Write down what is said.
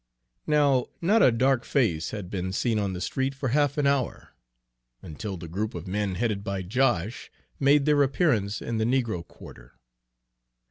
Now, not a dark face had been seen on the street for half an hour, until the group of men headed by Josh made their appearance in the negro quarter.